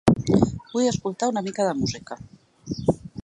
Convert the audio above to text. Vull escoltar una mica de música.